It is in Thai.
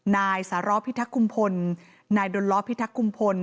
นายสาร๊อภิทักษ์คุมพลนายดนลฟิทักษ์คุมพล